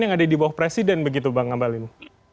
yang ada di bawah presiden begitu bang ngabalin